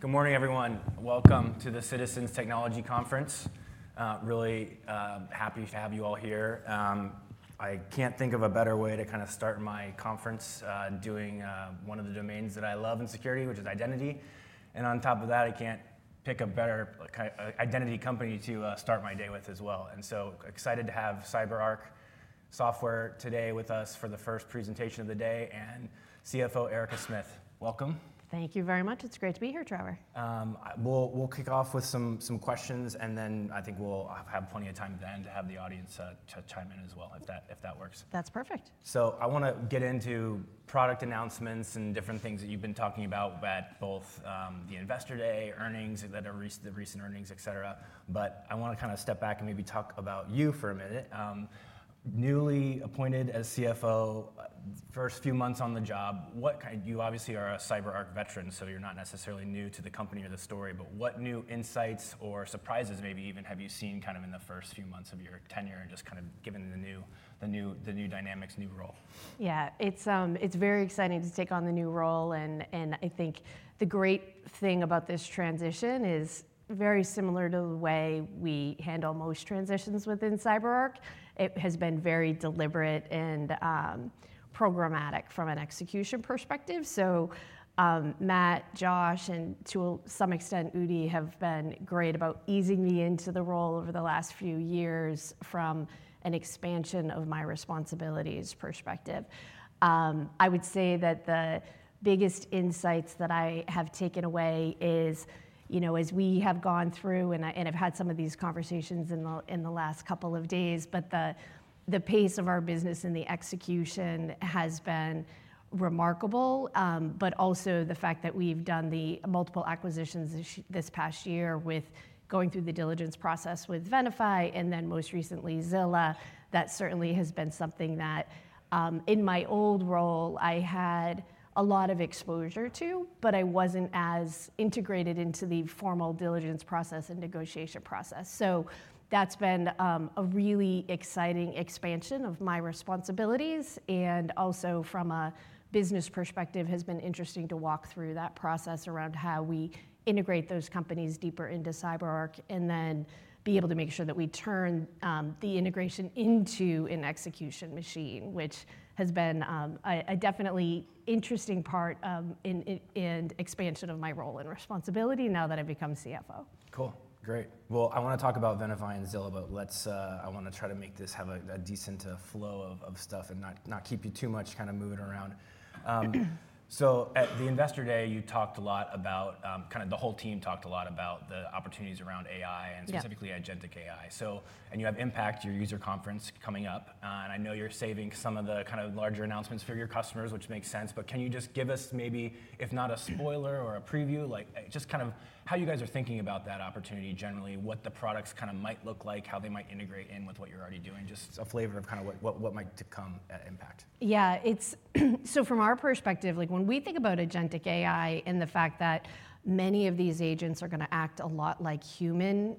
Good morning, everyone. Welcome to the Citizens Technology Conference. Really happy to have you all here. I can't think of a better way to kind of start my conference doing one of the domains that I love in security, which is identity, and on top of that, I can't pick a better identity company to start my day with as well, and so excited to have CyberArk Software today with us for the first presentation of the day, and CFO Erica Smith, welcome. Thank you very much. It's great to be here, Trevor. We'll kick off with some questions, and then I think we'll have plenty of time then to have the audience chime in as well, if that works. That's perfect. So I want to get into product announcements and different things that you've been talking about at both the Investor Day, earnings, the recent earnings, et cetera. But I want to kind of step back and maybe talk about you for a minute. Newly appointed as CFO, first few months on the job, what kind of, you obviously are a CyberArk veteran, so you're not necessarily new to the company or the story. But what new insights or surprises, maybe even, have you seen kind of in the first few months of your tenure and just kind of given the new dynamics, new role? Yeah, it's very exciting to take on the new role. And I think the great thing about this transition is very similar to the way we handle most transitions within CyberArk. It has been very deliberate and programmatic from an execution perspective. So Matt, Josh, and to some extent, Udi, have been great about easing me into the role over the last few years from an expansion of my responsibilities perspective. I would say that the biggest insights that I have taken away is, as we have gone through and have had some of these conversations in the last couple of days, the pace of our business and the execution has been remarkable. But also the fact that we've done the multiple acquisitions this past year with going through the diligence process with Venafi and then most recently Zilla, that certainly has been something that in my old role I had a lot of exposure to, but I wasn't as integrated into the formal diligence process and negotiation process. So that's been a really exciting expansion of my responsibilities. And also from a business perspective, it has been interesting to walk through that process around how we integrate those companies deeper into CyberArk and then be able to make sure that we turn the integration into an execution machine, which has been a definitely interesting part and expansion of my role and responsibility now that I've become CFO. Cool. Great. Well, I want to talk about Venafi and Zilla, but I want to try to make this have a decent flow of stuff and not keep you too much kind of moving around. So at the Investor Day, you talked a lot about kind of the whole team talked a lot about the opportunities around AI and specifically agentic AI. And you have Impact, your user conference, coming up. And I know you're saving some of the kind of larger announcements for your customers, which makes sense. But can you just give us maybe, if not a spoiler or a preview, just kind of how you guys are thinking about that opportunity generally, what the products kind of might look like, how they might integrate in with what you're already doing, just a flavor of kind of what might come at Impact? Yeah. So from our perspective, when we think about agentic AI and the fact that many of these agents are going to act a lot like humans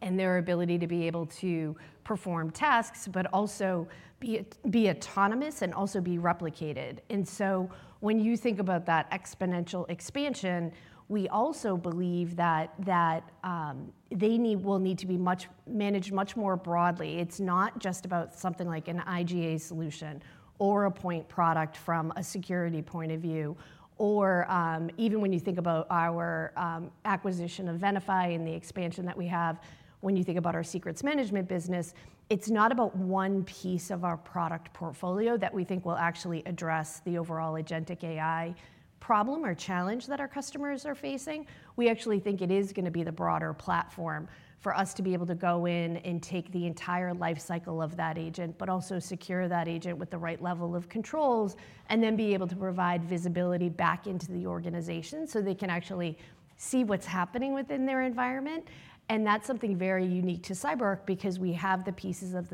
and their ability to be able to perform tasks, but also be autonomous and also be replicated. And so when you think about that exponential expansion, we also believe that they will need to be managed much more broadly. It's not just about something like an IGA solution or a point product from a security point of view. Or even when you think about our acquisition of Venafi and the expansion that we have, when you think about our Secrets Management business, it's not about one piece of our product portfolio that we think will actually address the overall agentic AI problem or challenge that our customers are facing. We actually think it is going to be the broader platform for us to be able to go in and take the entire lifecycle of that agent, but also secure that agent with the right level of controls, and then be able to provide visibility back into the organization so they can actually see what's happening within their environment. And that's something very unique to CyberArk because we have the pieces of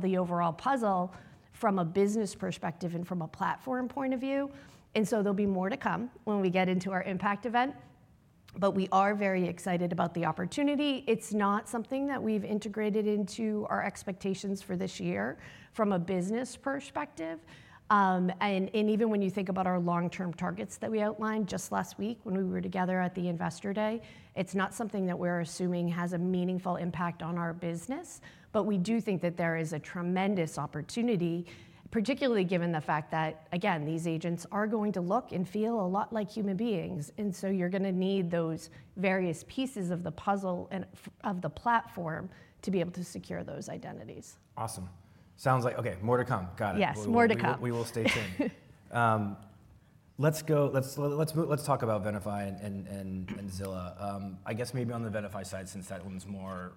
the overall puzzle from a business perspective and from a platform point of view. And so there'll be more to come when we get into our Impact event. But we are very excited about the opportunity. It's not something that we've integrated into our expectations for this year from a business perspective. And even when you think about our long-term targets that we outlined just last week when we were together at the Investor Day, it's not something that we're assuming has a meaningful impact on our business. But we do think that there is a tremendous opportunity, particularly given the fact that, again, these agents are going to look and feel a lot like human beings. And so you're going to need those various pieces of the puzzle and of the platform to be able to secure those identities. Awesome. Sounds like, OK, more to come. Got it. Yes, more to come. We will stay tuned. Let's talk about Venafi and Zilla. I guess maybe on the Venafi side, since that one's more,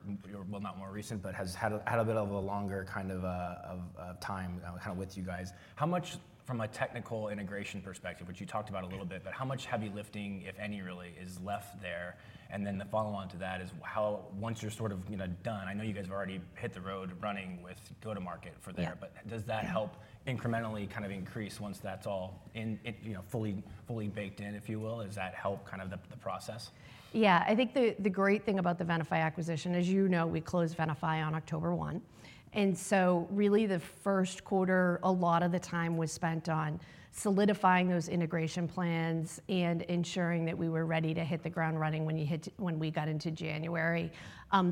well, not more recent, but has had a bit of a longer kind of time kind of with you guys. How much, from a technical integration perspective, which you talked about a little bit, but how much heavy lifting, if any, really, is left there? And then the follow-on to that is how, once you're sort of done, I know you guys have already hit the road running with go-to-market for there. But does that help incrementally kind of increase once that's all fully baked in, if you will? Does that help kind of the process? Yeah. I think the great thing about the Venafi acquisition, as you know. We closed Venafi on October 1, and so really the first quarter, a lot of the time was spent on solidifying those integration plans and ensuring that we were ready to hit the ground running when we got into January.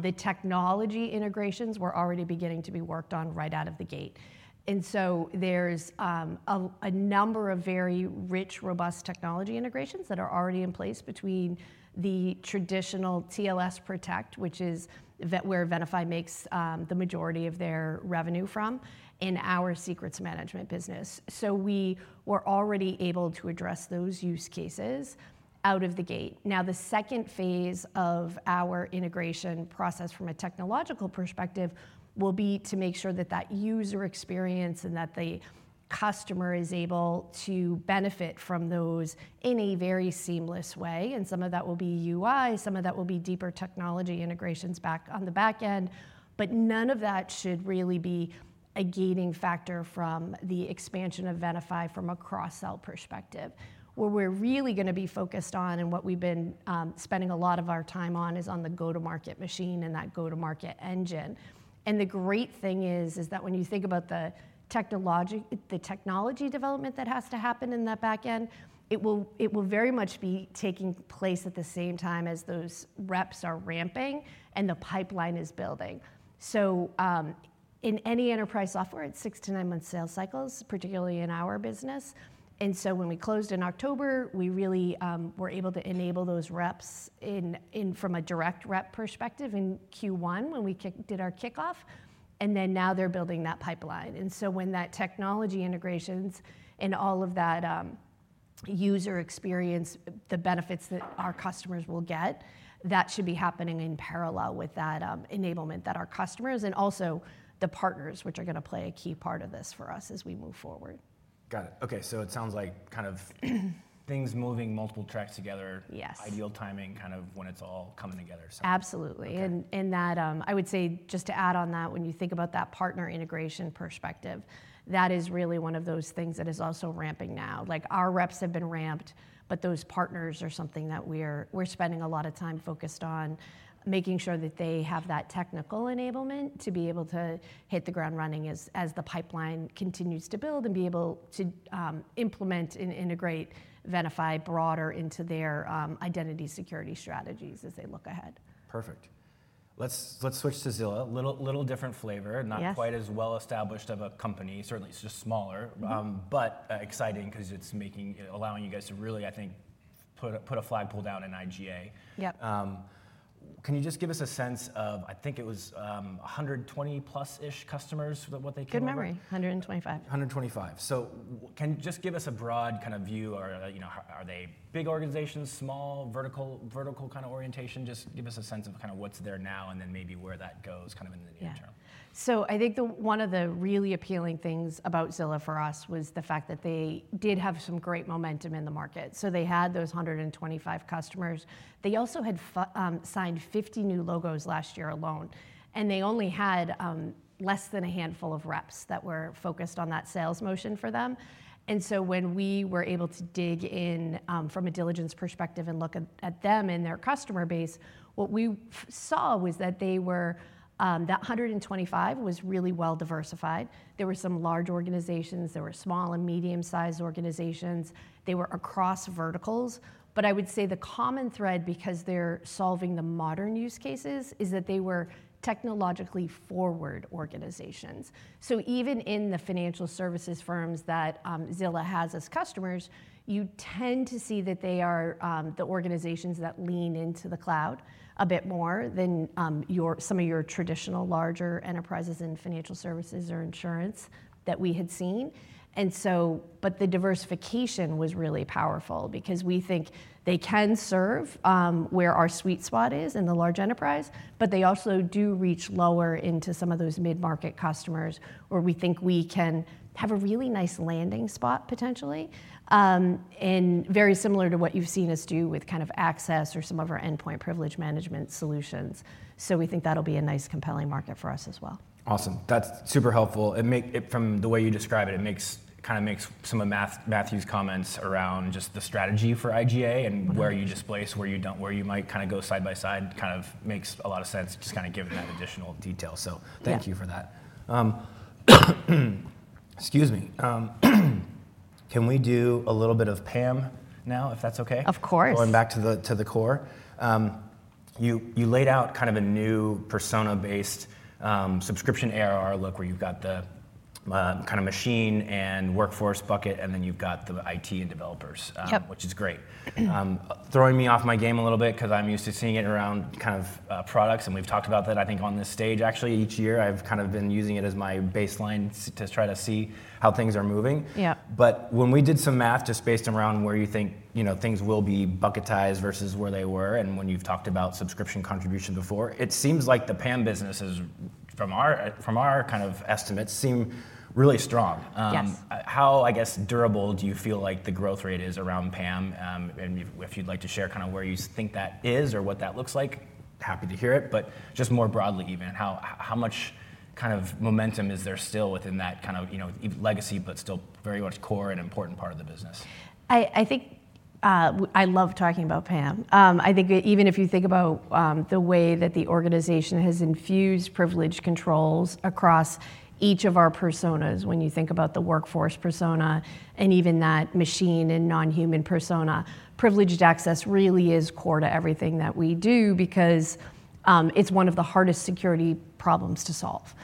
The technology integrations were already beginning to be worked on right out of the gate, and so there's a number of very rich, robust technology integrations that are already in place between the traditional TLS Protect, which is where Venafi makes the majority of their revenue from, and our secrets management business, so we were already able to address those use cases out of the gate. Now, the second phase of our integration process from a technological perspective will be to make sure that that user experience and that the customer is able to benefit from those in a very seamless way. And some of that will be UI, some of that will be deeper technology integrations back on the back end. But none of that should really be a gating factor from the expansion of Venafi from a cross-sell perspective. What we're really going to be focused on and what we've been spending a lot of our time on is on the go-to-market machine and that go-to-market engine. And the great thing is that when you think about the technology development that has to happen in that back end, it will very much be taking place at the same time as those reps are ramping and the pipeline is building. So in any enterprise software, it's six to nine months sales cycles, particularly in our business. And so when we closed in October, we really were able to enable those reps from a direct rep perspective in Q1 when we did our kickoff. And then now they're building that pipeline. And so when that technology integrations and all of that user experience, the benefits that our customers will get, that should be happening in parallel with that enablement that our customers and also the partners, which are going to play a key part of this for us as we move forward. Got it. OK, so it sounds like kind of things moving multiple tracks together, ideal timing kind of when it's all coming together. Absolutely. And I would say just to add on that, when you think about that partner integration perspective, that is really one of those things that is also ramping now. Our reps have been ramped, but those partners are something that we're spending a lot of time focused on, making sure that they have that technical enablement to be able to hit the ground running as the pipeline continues to build and be able to implement and integrate Venafi broader into their identity security strategies as they look ahead. Perfect. Let's switch to Zilla, a little different flavor, not quite as well established of a company. Certainly, it's just smaller, but exciting because it's allowing you guys to really, I think, put a flagpole down in IGA. Yep. Can you just give us a sense of, I think it was 120+-ish customers that what they came up with? Good memory. 125. So can you just give us a broad kind of view? Are they big organizations, small, vertical kind of orientation? Just give us a sense of kind of what's there now and then maybe where that goes kind of in the near term. Yeah. So I think one of the really appealing things about Zilla for us was the fact that they did have some great momentum in the market. So they had those 125 customers. They also had signed 50 new logos last year alone. And they only had less than a handful of reps that were focused on that sales motion for them. And so when we were able to dig in from a diligence perspective and look at them and their customer base, what we saw was that they were that 125 was really well diversified. There were some large organizations. There were small and medium-sized organizations. They were across verticals. But I would say the common thread, because they're solving the modern use cases, is that they were technologically forward organizations. So even in the financial services firms that Zilla has as customers, you tend to see that they are the organizations that lean into the cloud a bit more than some of your traditional larger enterprises in financial services or insurance that we had seen. But the diversification was really powerful because we think they can serve where our sweet spot is in the large enterprise, but they also do reach lower into some of those mid-market customers where we think we can have a really nice landing spot potentially, and very similar to what you've seen us do with kind of access or some of our endpoint privilege management solutions. So we think that'll be a nice compelling market for us as well. Awesome. That's super helpful. From the way you describe it, it kind of makes some of Matt's comments around just the strategy for IGA and where you displace, where you don't, where you might kind of go side by side kind of makes a lot of sense just kind of giving that additional detail. So thank you for that. Excuse me. Can we do a little bit of PAM now, if that's OK? Of course. Going back to the core, you laid out kind of a new persona-based subscription ARR look where you've got the kind of machine and workforce bucket, and then you've got the IT and developers, which is great. Throwing me off my game a little bit because I'm used to seeing it around kind of products. And we've talked about that, I think, on this stage. Actually, each year, I've kind of been using it as my baseline to try to see how things are moving. But when we did some math just based around where you think things will be bucketized versus where they were and when you've talked about subscription contribution before, it seems like the PAM business, from our kind of estimates, seem really strong. How, I guess, durable do you feel like the growth rate is around PAM? If you'd like to share kind of where you think that is or what that looks like, happy to hear it. But just more broadly, even, how much kind of momentum is there still within that kind of legacy, but still very much core and important part of the business? I think I love talking about PAM. I think even if you think about the way that the organization has infused privilege controls across each of our personas, when you think about the workforce persona and even that machine and non-human persona, privileged access really is core to everything that we do because it's one of the hardest security problems to solve,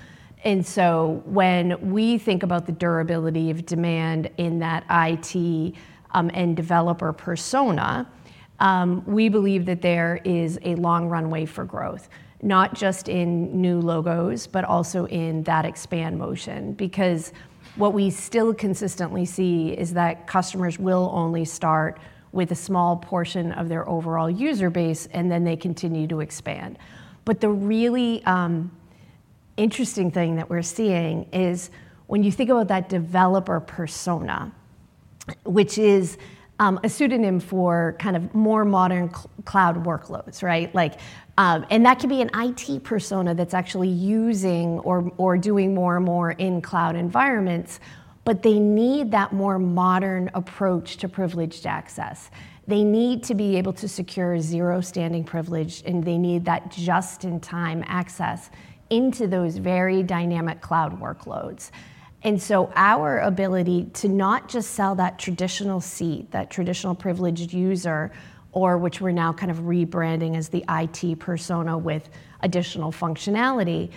and so when we think about the durability of demand in that IT and developer persona, we believe that there is a long runway for growth, not just in new logos, but also in that expansion. Because what we still consistently see is that customers will only start with a small portion of their overall user base, and then they continue to expand. But the really interesting thing that we're seeing is when you think about that developer persona, which is a pseudonym for kind of more modern cloud workloads, right? And that can be an IT persona that's actually using or doing more and more in cloud environments, but they need that more modern approach to privileged access. They need to be able to secure zero standing privilege, and they need that just-in-time access into those very dynamic cloud workloads. And so our ability to not just sell that traditional seat, that traditional privileged user, or which we're now kind of rebranding as the IT persona with additional functionality,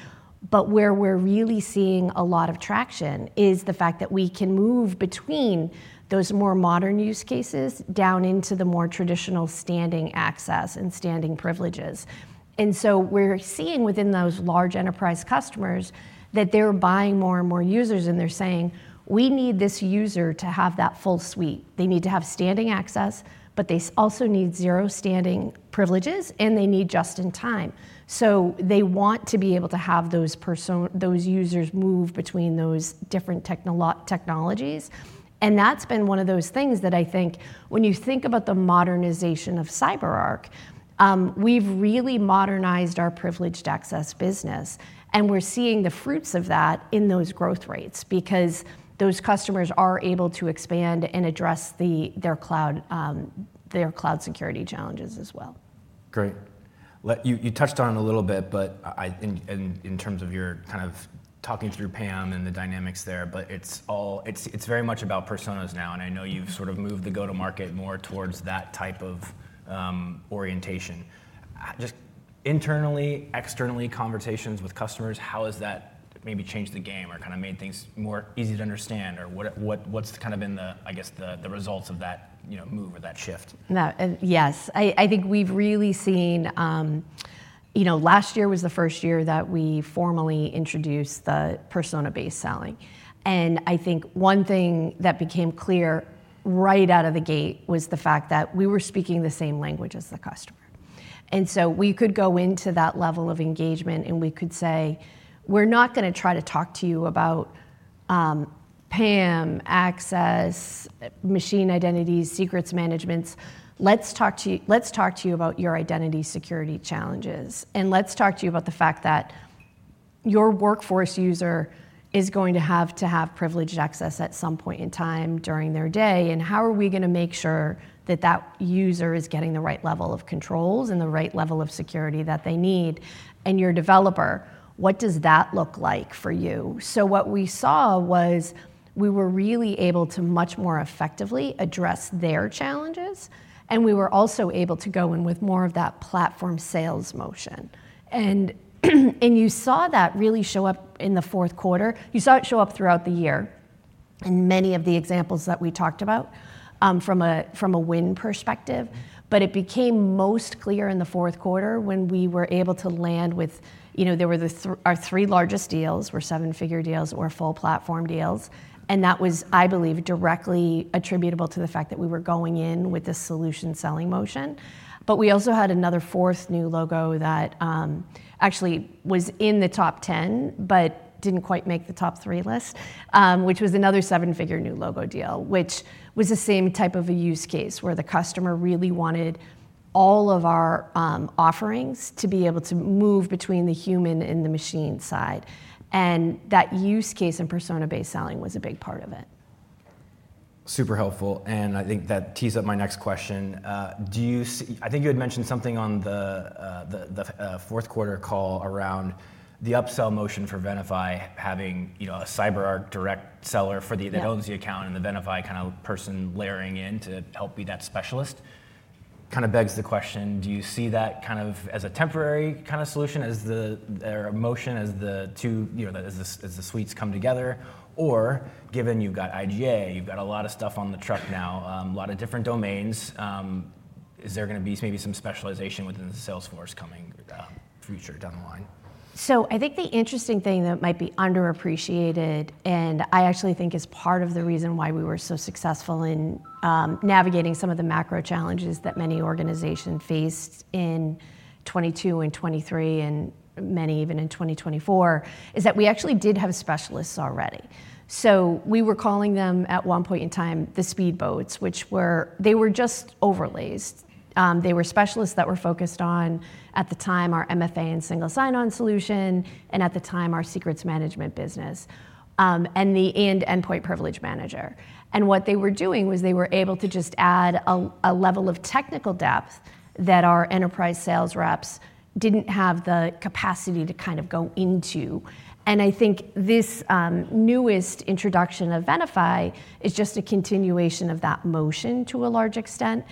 but where we're really seeing a lot of traction is the fact that we can move between those more modern use cases down into the more traditional standing access and standing privileges. And so we're seeing within those large enterprise customers that they're buying more and more users, and they're saying, "We need this user to have that full suite. They need to have standing access, but they also need zero standing privileges, and they need just-in-time." So they want to be able to have those users move between those different technologies. And that's been one of those things that I think when you think about the modernization of CyberArk, we've really modernized our privileged access business. And we're seeing the fruits of that in those growth rates because those customers are able to expand and address their cloud security challenges as well. Great. You touched on it a little bit, but in terms of your kind of talking through PAM and the dynamics there, but it's very much about personas now. And I know you've sort of moved the go-to-market more towards that type of orientation. Just internally, externally, conversations with customers, how has that maybe changed the game or kind of made things more easy to understand? Or what's kind of been, I guess, the results of that move or that shift? Yes. I think we've really seen last year was the first year that we formally introduced the persona-based selling, and I think one thing that became clear right out of the gate was the fact that we were speaking the same language as the customer. And so we could go into that level of engagement, and we could say, we're not going to try to talk to you about PAM, access, machine identities, secrets management. Let's talk to you about your identity security challenges, and let's talk to you about the fact that your workforce user is going to have to have privileged access at some point in time during their day. And how are we going to make sure that that user is getting the right level of controls and the right level of security that they need? And your developer, what does that look like for you? So what we saw was we were really able to much more effectively address their challenges. And we were also able to go in with more of that platform sales motion. And you saw that really show up in the fourth quarter. You saw it show up throughout the year in many of the examples that we talked about from a win perspective. But it became most clear in the fourth quarter when we were able to land with our three largest deals were seven-figure deals or full-platform deals. And that was, I believe, directly attributable to the fact that we were going in with a solution selling motion. But we also had another fourth new logo that actually was in the top 10 but didn't quite make the top three list, which was another seven-figure new logo deal, which was the same type of a use case where the customer really wanted all of our offerings to be able to move between the human and the machine side. And that use case and persona-based selling was a big part of it. Super helpful. And I think that tees up my next question. I think you had mentioned something on the fourth quarter call around the upsell motion for Venafi having a CyberArk direct seller that owns the account and the Venafi kind of person layering in to help be that specialist. Kind of begs the question, do you see that kind of as a temporary kind of solution, as their motion, as the two suites come together? Or given you've got IGA, you've got a lot of stuff on the truck now, a lot of different domains, is there going to be maybe some specialization within the sales force coming future down the line? I think the interesting thing that might be underappreciated, and I actually think is part of the reason why we were so successful in navigating some of the macro challenges that many organizations faced in 2022 and 2023 and many even in 2024, is that we actually did have specialists already. So we were calling them at one point in time the Speedboats, which were just overlays. They were specialists that were focused on, at the time, our MFA and single sign-on solution, and at the time, our Secrets Management business and the Endpoint Privilege Manager. And what they were doing was they were able to just add a level of technical depth that our enterprise sales reps didn't have the capacity to kind of go into. And I think this newest introduction of Venafi is just a continuation of that motion to a large extent.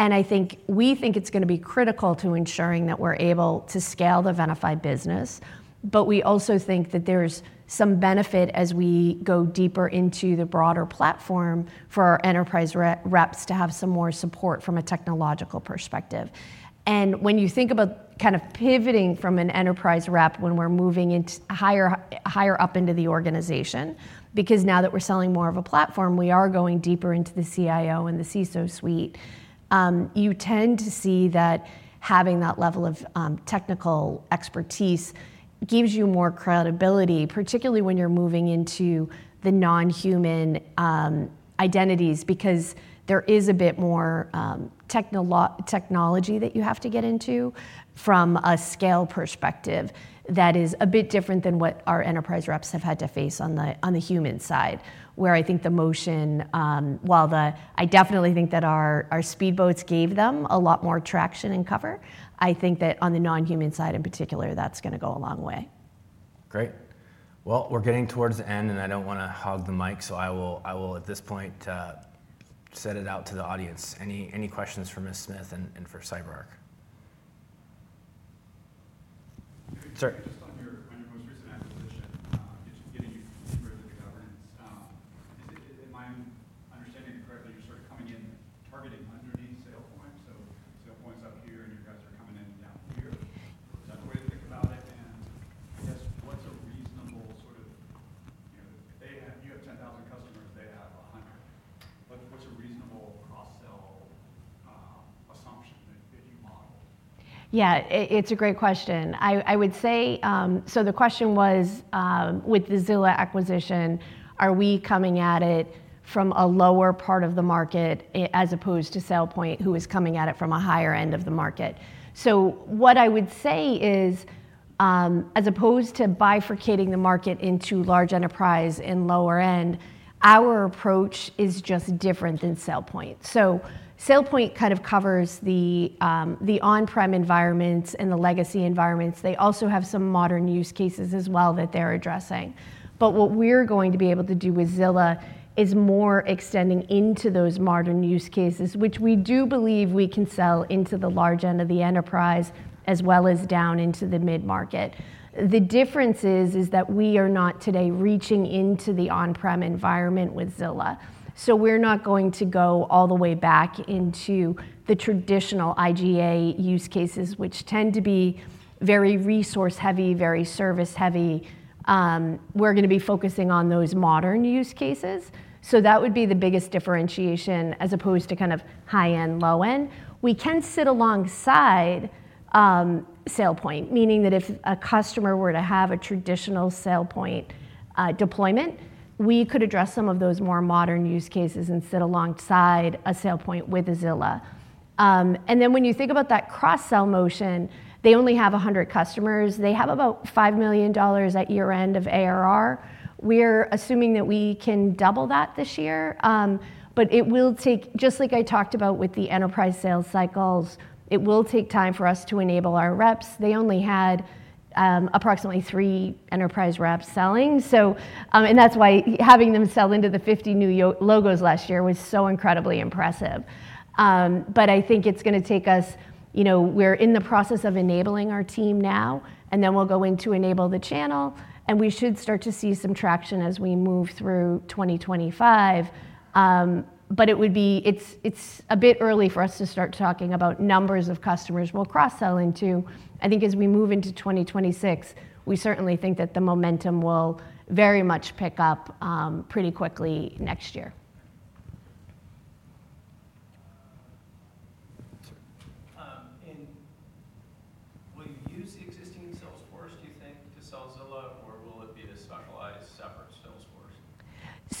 And I think we think it's going to be critical to ensuring that we're able to scale the Venafi business. But we also think that there is some benefit as we go deeper into the broader platform for our enterprise reps to have some more support from a technological perspective. When you think about kind of pivoting from an enterprise rep when we're moving higher up into the organization, because now that we're selling more of a platform, we are going deeper into the CIO and the CISO suite. You tend to see that having that level of technical expertise gives you more credibility, particularly when you're moving into the non-human identities because there is a bit more technology that you have to get into from a scale perspective that is a bit different than what our enterprise reps have had to face on the human side, where I think the motion, while I definitely think that our Speedboats gave them a lot more traction and cover, I think that on the non-human side in particular, that's going to go a long way. Great. Well, we're getting towards the end, and I don't want to hog the mic. So I will, at this point, Yeah, it's a great question. I would say so the question was, with the Zilla acquisition, are we coming at it from a lower part of the market as opposed to SailPoint, who is coming at it from a higher end of the market? So what I would say is, as opposed to bifurcating the market into large enterprise and lower end, our approach is just different than SailPoint. So SailPoint kind of covers the on-prem environments and the legacy environments. They also have some modern use cases as well that they're addressing. But what we're going to be able to do with Zilla is more extending into those modern use cases, which we do believe we can sell into the large end of the enterprise as well as down into the mid-market. The difference is that we are not today reaching into the on-prem environment with Zilla. So we're not going to go all the way back into the traditional IGA use cases, which tend to be very resource-heavy, very service-heavy. We're going to be focusing on those modern use cases. So that would be the biggest differentiation as opposed to kind of high-end, low-end. We can sit alongside SailPoint, meaning that if a customer were to have a traditional SailPoint deployment, we could address some of those more modern use cases and sit alongside a SailPoint with a Zilla. And then when you think about that cross-sell motion, they only have 100 customers. They have about $5 million at year-end of ARR. We're assuming that we can double that this year. But it will take, just like I talked about with the enterprise sales cycles, it will take time for us to enable our reps. They only had approximately three enterprise reps selling. That's why having them sell into the 50 new logos last year was so incredibly impressive. But I think it's going to take us. We're in the process of enabling our team now, and then we'll go in to enable the channel. We should start to see some traction as we move through 2025. But it would be. It's a bit early for us to start talking about numbers of customers we'll cross-sell into. I think as we move into 2026, we certainly think that the momentum will very much pick up pretty quickly next year. Will you use the existing Salesforce, do you think, to sell Zilla, or will it be a specialized separate Salesforce? So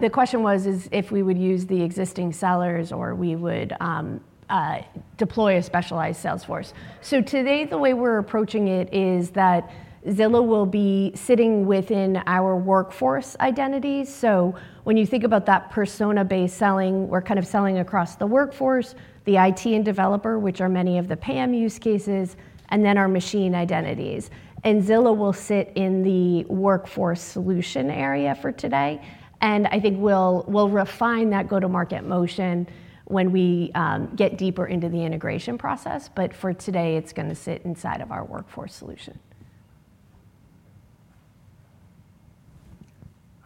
the question was if we would use the existing sellers or we would deploy a specialized sales force. So today, the way we're approaching it is that Zilla will be sitting within our workforce identities. So when you think about that persona-based selling, we're kind of selling across the workforce, the IT and developer, which are many of the PAM use cases, and then our machine identities. And Zilla will sit in the workforce solution area for today. And I think we'll refine that go-to-market motion when we get deeper into the integration process. But for today, it's going to sit inside of our workforce solution.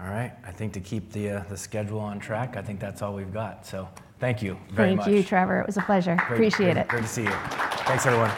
All right. I think to keep the schedule on track, I think that's all we've got. So thank you very much. Thank you, Trevor. It was a pleasure. Appreciate it. Great to see you. Thanks, everyone.